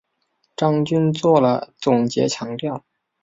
张军作了总结强调